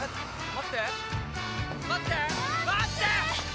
待ってー！